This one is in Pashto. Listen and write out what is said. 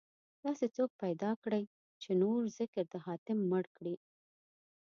داسې څوک پيدا کړئ، چې نور ذکر د حاتم مړ کړي